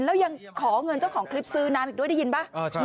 แล้วยังขอเงินเจ้าของคลิปซื้อน้ำอีกด้วยได้ยินป่ะ